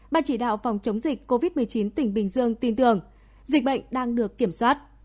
ban chỉ đạo phòng chống dịch covid một mươi chín tỉnh bình dương tin tưởng dịch bệnh đang được kiểm soát